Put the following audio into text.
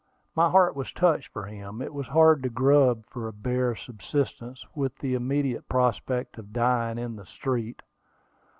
My heart was touched for him. It was hard to grub for a bare subsistence, with the immediate prospect of dying in the street.